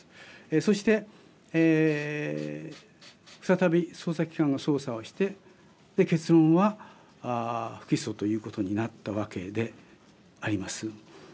そして、再び捜査機関が捜査をして結論は不起訴ということになったわけであります。